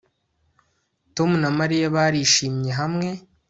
Tom na Mariya barishimye hamwe